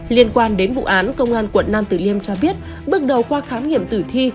liên quan đến vụ án công an quận nam tử liêm cho biết bước đầu qua khám nghiệm tử thi